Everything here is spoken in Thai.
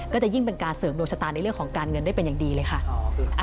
ก็จะยิ่งเป็นการเสริมดวงชะตาในเรื่องของการเงินได้เป็นอย่างดีเลยค่ะ